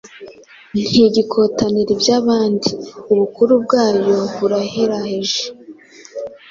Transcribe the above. Ntigikotanira iby'abandi, Ubukuru bwayo buraheraheje,